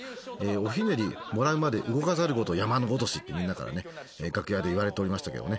「おひねりもらうまで動かざる事山のごとし」ってみんなからね楽屋で言われておりましたけどもね。